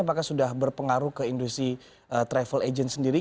apakah sudah berpengaruh ke industri travel agent sendiri